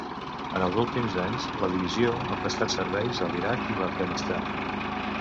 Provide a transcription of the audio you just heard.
En els últims anys, la divisió ha prestat serveis a l'Iraq i l'Afganistan.